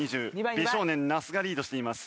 美少年那須がリードしています。